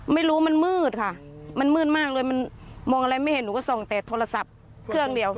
ไม่รู้มันมืดค่ะมันมืดมากเลยมันมองอะไรไม่เห็นหนูก็ส่องแต่โทรศัพท์เครื่องเดียว